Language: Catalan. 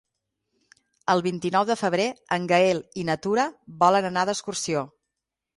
El vint-i-nou de febrer en Gaël i na Tura volen anar d'excursió.